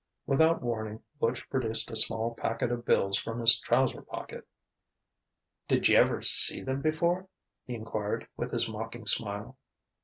Without warning Butch produced a small packet of bills from his trouser pocket. "Djever see them before?" he enquired, with his mocking smile.